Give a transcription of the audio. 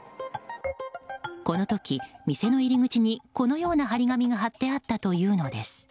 この時、店の入り口にこのような貼り紙が貼ってあったというのです。